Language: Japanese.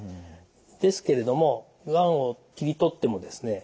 ですけれどもがんを切り取ってもですね